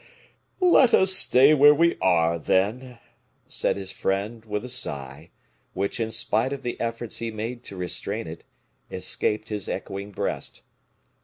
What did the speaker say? "Let us stay where we are, then," said his friend, with a sigh, which, in spite of the efforts he made to restrain it, escaped his echoing breast.